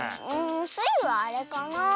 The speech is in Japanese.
スイはあれかな。